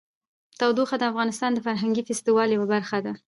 تودوخه د افغانستان د فرهنګي فستیوالونو یوه برخه ده.